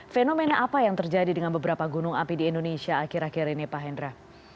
fenomena apa yang terjadi dengan beberapa gunung api di indonesia akhir akhir ini pak hendra